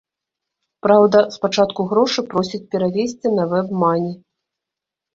Праўда, спачатку грошы просяць перавесці на вэбмані.